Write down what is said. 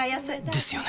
ですよね